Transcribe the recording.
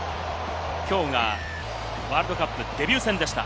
きょうがワールドカップデビュー戦でした。